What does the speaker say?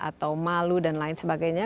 atau malu dan lain sebagainya